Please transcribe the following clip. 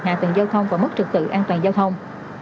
hạ tầng giao thông và mức trực tự an toàn giao thông